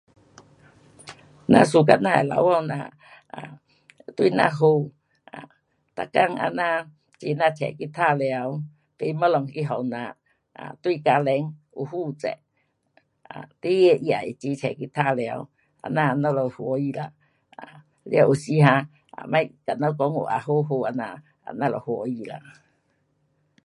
咱 suka 那的老公，um 对咱好，每天这样带咱出去玩耍，买东西去给咱，对家庭有负责，um 孩儿他也会齐出去玩耍，这样我们欢喜啦。um 了有时 um 跟咱讲话也好好这样，啊咱们欢喜啦。